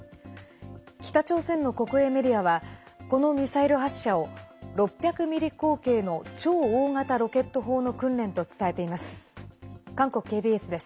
北朝鮮の国営メディアはこのミサイル発射を６００ｍｍ口径の超大型ロケット砲の訓練と伝えています。